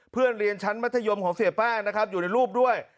เรียนชั้นมัธยมของเสียแป้งนะครับอยู่ในรูปด้วย